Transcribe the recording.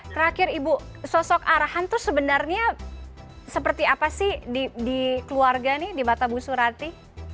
terakhir ibu sosok arhan tuh sebenarnya seperti apa sih di keluarga nih di mata bu surati